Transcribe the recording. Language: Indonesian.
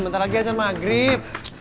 bentar lagi hajan maghrib